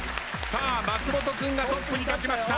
松本君がトップに立ちました。